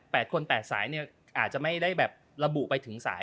เป็นคลิปข่าวนะก็ไม่ว่าเราจะระบุไปถึงไฟ